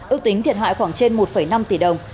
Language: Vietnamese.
ước tính thiệt hại khoảng trên một năm tỷ đồng